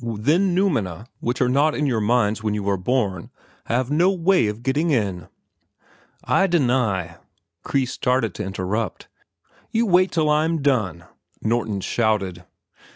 Then noumena, which are not in your minds when you are born, have no way of getting in—" "I deny—" Kreis started to interrupt. "You wait till I'm done," Norton shouted.